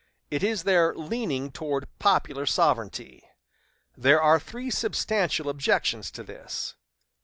It is their leaning toward 'popular sovereignty.' There are three substantial objections to this.